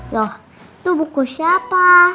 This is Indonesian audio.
loh itu buku siapa